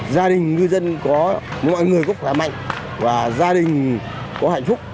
gia đình ngư dân có mọi người cũng khỏe mạnh và gia đình có hạnh phúc